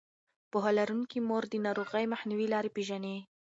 پوهه لرونکې مور د ناروغۍ مخنیوي لارې پېژني.